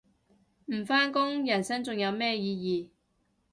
唔返工人生仲有咩意義